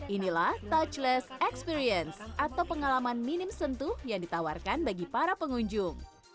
inilah touchless experience atau pengalaman minim sentuh yang ditawarkan bagi para pengunjung